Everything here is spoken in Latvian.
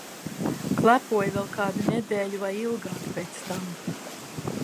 Klepoja vēl kādu nedēļu vai ilgāk pēc tām.